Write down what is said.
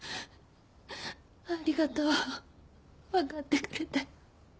ありがとう分かってくれて。